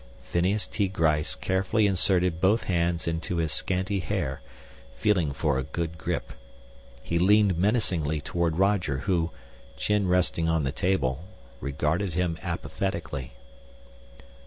Phineas T. Gryce carefully inserted both hands into his scanty hair, feeling for a good grip. He leaned menacingly toward Roger who, chin resting on the table, regarded him apathetically.